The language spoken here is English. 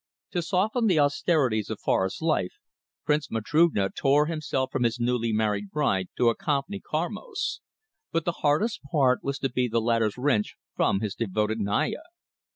To soften the austerities of forest life, Prince Matrugna tore himself from his newly married bride to accompany Karmos. But the hardest was to be the latter's wrench from his devoted Naya.